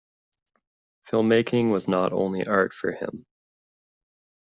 Filmmaking was not only art for him.